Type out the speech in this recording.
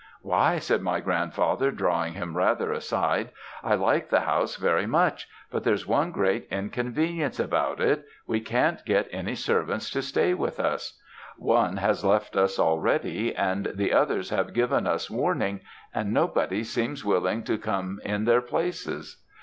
"'Why,' said my grandfather, drawing him rather aside, 'I like the house very much; but there's one great inconvenience about it we can't get any servants to stay with us. One has left us already, and the others have given us warning, and nobody seems willing to come in their places.